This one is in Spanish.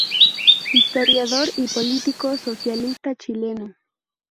Historiador y político socialista chileno.